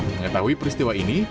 mengetahui peristiwa ini